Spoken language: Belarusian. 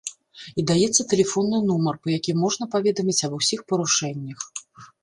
І даецца тэлефонны нумар, па якім можна паведаміць аб усіх парушэннях.